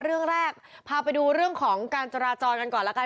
เรื่องแรกพาไปดูเรื่องของการจราจรกันก่อนแล้วกัน